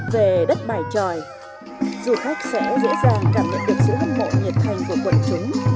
về đất bài tròi du khách sẽ dễ dàng cảm nhận được sự hâm mộ nhiệt thành của quần chúng